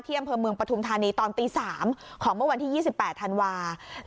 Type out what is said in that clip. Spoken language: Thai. อำเภอเมืองปฐุมธานีตอนตี๓ของเมื่อวันที่๒๘ธันวาคม